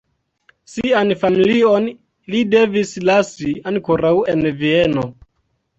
Sian familion li devis lasi ankoraŭ en Vieno.